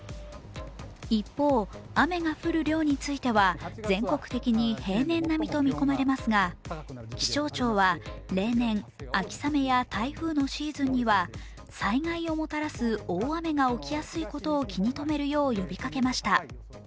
一方、雨が降る量については全国的に平年並みと見込まれますが、気象庁は例年、秋雨や台風のシーズンには災害をもたらす大雨が起きやすいことを気に留めるよう呼びかけました。